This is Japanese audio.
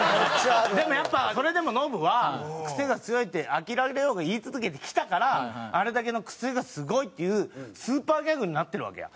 でもやっぱそれでもノブは「クセが強い」って飽きられようが言い続けてきたからあれだけの「クセがスゴい」っていうスーパーギャグになってるわけや。